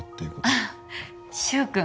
あっ柊君